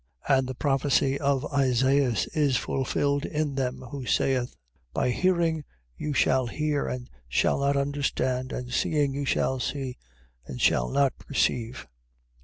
13:14. And the prophecy of Isaias is fulfilled in them, who saith: By hearing you shall hear, and shall not understand: and seeing you shall see, and shall not perceive.